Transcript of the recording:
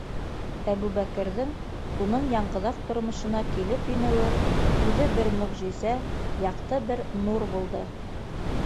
Әбүбәкерҙең уның яңғыҙаҡ тормошона килеп инеүе үҙе бер мөғжизә, яҡты бер нур булды.